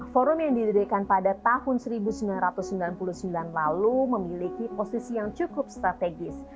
forum yang didirikan pada tahun seribu sembilan ratus sembilan puluh sembilan lalu memiliki posisi yang cukup strategis